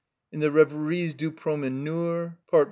In the "Rêveries du Promeneur," prom.